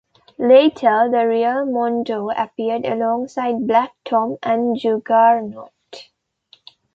Later, the real Mondo appeared alongside Black Tom and Juggernaut.